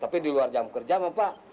tapi di luar jam kerja bapak